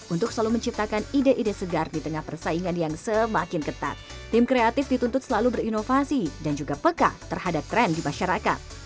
untuk selalu menciptakan ide ide segar di tengah persaingan yang semakin ketat tim kreatif dituntut selalu berinovasi dan juga peka terhadap tren di masyarakat